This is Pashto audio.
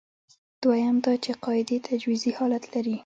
دویم دا چې قاعدې تجویزي حالت لري.